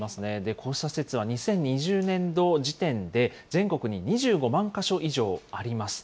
こうした施設は２０２０年度時点で、全国に２５万か所以上あります。